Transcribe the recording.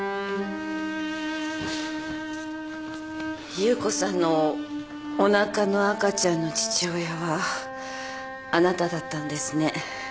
夕子さんのおなかの赤ちゃんの父親はあなただったんですね？